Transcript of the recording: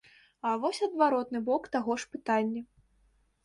А вось адваротны бок таго ж пытання.